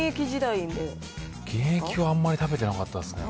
現役はあんまり食べてなかったですね。